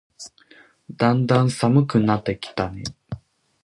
だんだん寒くなってきたね。